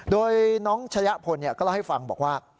โดยน้องชะยะพลก็เล่าให้ฟังบอกว่า